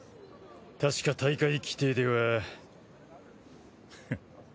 たしか大会規定ではフッ。